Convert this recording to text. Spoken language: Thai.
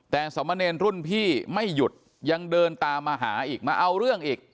แต่สมเนรรุ่นพี่ไม่หยุดยังเดินตามมาหาอีกมาเอาเรื่องอีก